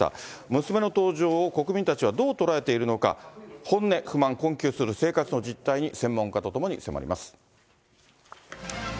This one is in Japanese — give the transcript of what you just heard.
娘の登場を国民たちはどう捉えているのか、本音、不満、困窮する生活の実態に、専門家と共に迫ります。